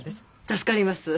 助かります。